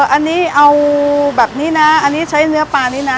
อันนี้เอาแบบนี้นะอันนี้ใช้เนื้อปลานี้นะ